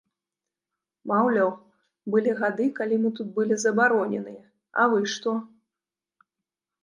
Маўляў, былі гады, калі мы тут былі забароненыя, а вы што?